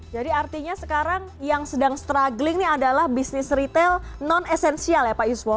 jadi artinya sekarang yang sedang struggling ini adalah bisnis retail non essential ya pak yuswo